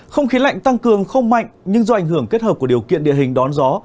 không khí lạnh tăng cường không mạnh nhưng do ảnh hưởng kết hợp của điều kiện địa hình đón gió